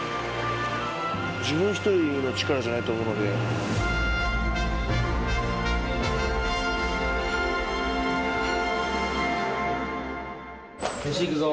自分１人の力じゃないと思う飯行くぞ。